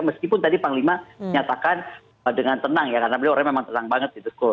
meskipun tadi panglima nyatakan dengan tenang ya karena memang tenang banget